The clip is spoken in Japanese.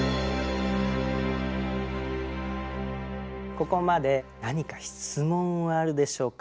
ここまで何か質問はあるでしょうか？